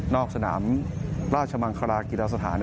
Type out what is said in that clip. สนามราชมังคลากีฬาสถาน